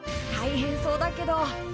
大変そうだけど。